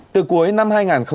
từ cuối năm hai nghìn một mươi tám